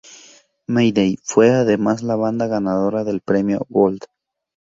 Mayday fue además la banda ganadora del Premio "Gold".